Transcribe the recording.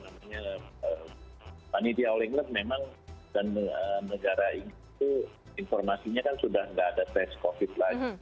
memang dari panitia all england memang dan negara itu informasinya kan sudah nggak ada tes covid lagi